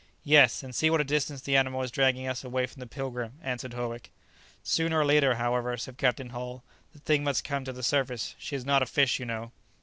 "Yes; and see what a distance the animal is dragging us away from the 'Pilgrim,'" answered Howick. "Sooner or later, however," said Captain Hull, "the thing must come to the surface; she is not a fish, you know."